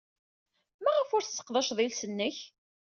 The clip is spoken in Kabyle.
Maɣef ur tesseqdaceḍ iles-nnek?